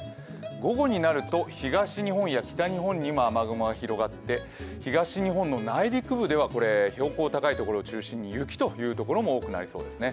午後になると東日本や北日本に今、雨雲が広がって東日本の内陸部では標高高いところを中心に雪というところも多くなりそうですね。